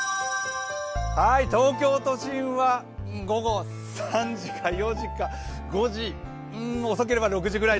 東京都心は午後３時か４時か５時、うーん、遅ければ６時ぐらい。